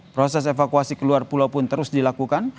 proses evakuasi keluar pulau pun terus dilakukan